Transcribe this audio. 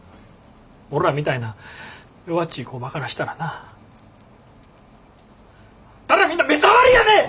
俺らみたいな弱っちい工場からしたらなあんたらみんな目障りやねん！